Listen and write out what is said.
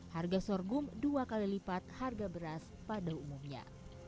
harga sorghum dua kali lipat harga beras pada umumnya